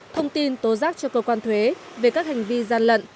thông tin tố giác cho cơ quan thuế về các hành vi gian lận